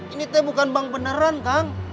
ini teh bukan bank beneran kang